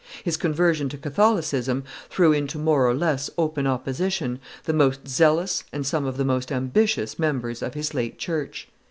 His conversion to Catholicism threw into more or less open opposition the most zealous and some of the ambitious members of his late church.